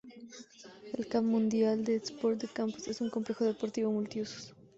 El Camp Municipal d'Esports de Campos es un complejo deportivo multiusos.